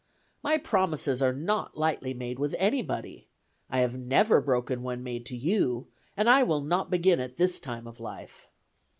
My promises are not lightly made with anybody. I have never broken one made to you, and I will not begin at this time of life.